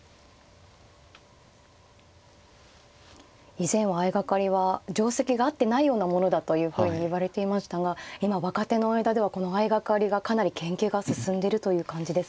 以前は相掛かりは定跡があってないようなものだというふうにいわれていましたが今若手の間ではこの相掛かりがかなり研究が進んでるという感じですか？